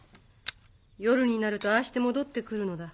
夜になるとああして戻ってくるのだ。